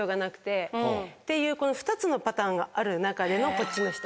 っていうこの２つのパターンがある中でのこっちの人。